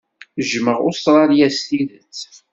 Jjmeɣ Ustṛalya s tidet.